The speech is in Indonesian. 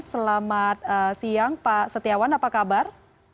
selamat siang pak setiawan apa kabar